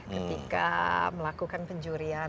ketika melakukan penjurian